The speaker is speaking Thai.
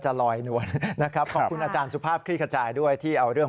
ลอยนวลนะครับขอบคุณอาจารย์สุภาพคลี่ขจายด้วยที่เอาเรื่อง